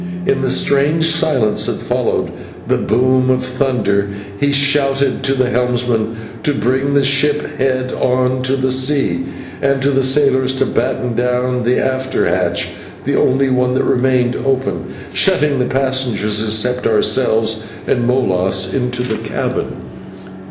In the strange silence that followed the boom of the thunder, he shouted to the helmsman to bring the ship head on to the sea, and to the sailors to batten down the after hatch, the only one that remained open, shutting the passengers, except ourselves and Molas, into the cabin.